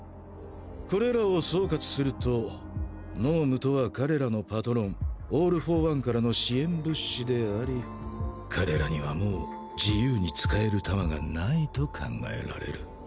これらを総括すると脳無とは彼らのパトロンオール・フォー・ワンからの支援物資であり彼らにはもう自由に使える弾がないと考えられる。